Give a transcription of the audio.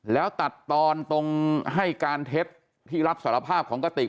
แล้วตัดตอนตรงให้การเท็จที่รับสารภาพของกติก